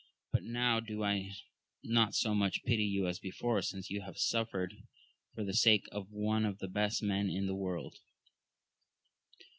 but now do I not so much pity you as before, since you have suffered for the sake of one of the best men in the world.